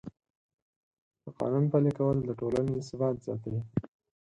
د قانون پلي کول د ټولنې ثبات زیاتوي.